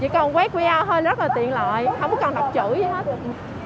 chỉ cần quét quay out thôi rất là tiện lợi không cần đọc chữ gì hết